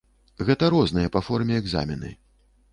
Гэта розныя па форме экзамены.